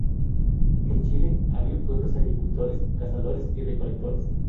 En Chile había pueblos agricultores, cazadores y recolectores.